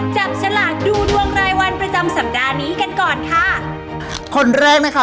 จับฉลากดูดวงรายวันประจำสัปดาห์นี้กันก่อนค่ะคนแรกนะคะ